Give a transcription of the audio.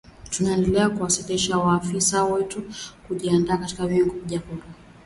Tunaendelea kuwasihi wafuasi wetu kujiandikisha kwa wingi kupiga kura